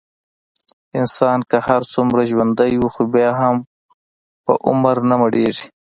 انسان که هرڅومره ژوندی وي، خو بیا هم په عمر نه مړېږي.